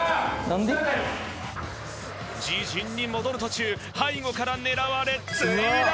自陣に戻る途中背後から狙われ墜落。